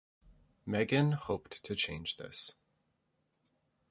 Meighen hoped to change this.